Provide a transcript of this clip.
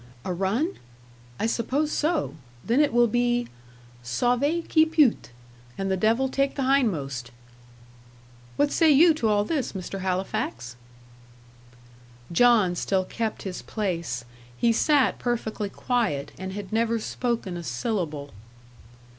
"A run? I suppose so. Then it will be 'Sauve qui peut,' and the devil take the hindmost." "What say you to all this, Mr. Halifax?" John still kept his place. He sat perfectly quiet, and had never spoken a syllable.